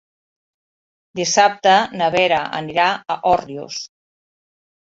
Dissabte na Vera anirà a Òrrius.